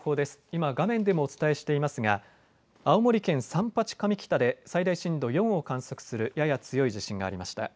今、画面でもお伝えしていますが青森県三八上北で最大震度４を観測するやや強い地震がありました。